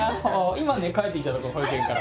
今ね帰ってきたとこ保育園から。